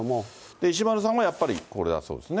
石丸さんはやっぱり、これだそうですね。